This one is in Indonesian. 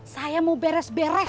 saya mau beres beres